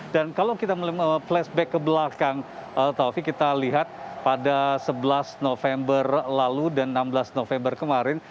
dan kalau kita melihat flashback ke belakang taufik kita lihat pada sebelas november lalu dan enam belas november kemarin